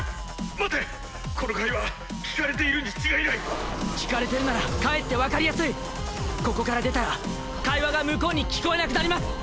待てこの会話聞かれているに違いない聞かれてるならかえって分かりやすいここから出たら会話が向こうに聞こえなくなります